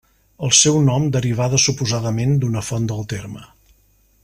El seu nom derivada suposadament d'una font del terme.